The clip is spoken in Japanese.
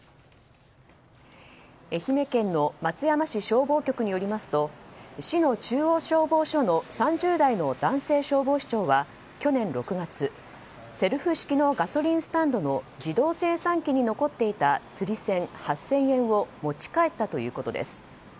愛媛県の松山市消防局によりますと市の中央消防署の３０代の男性消防士長は去年６月セルフ式のガソリンスタンドの自動精算機に残っていた釣り銭８０００円を持ち帰ったということです。